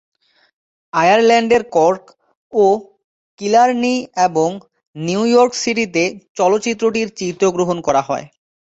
আয়ারল্যান্ডের কর্ক ও কিলারনি এবং নিউ ইয়র্ক সিটিতে চলচ্চিত্রটির চিত্রগ্রহণ করা হয়।